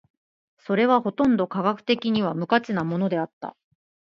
それはほとんど科学的には無価値なものであった。